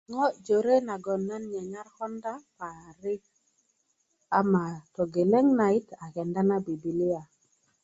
ŋo jore nagon nan nyanyar konda parik ama togeleŋ nayit a kenda na bibilia